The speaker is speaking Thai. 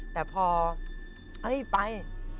แต่พอเฮ้ยไป